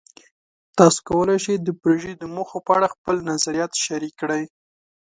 تاسو کولی شئ د پروژې د موخو په اړه خپلې نظریات شریک کړئ.